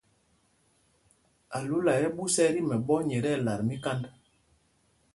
Álula ɛ́ ɛ́ ɓūs ɛ́ tí mɛɓɔ̄ nyɛ tí ɛlat kānd.